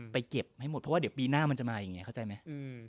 เก็บให้หมดเพราะว่าเดี๋ยวปีหน้ามันจะมาอย่างนี้เข้าใจไหม